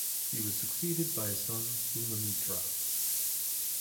He was succeeded by his son Bhumimitra.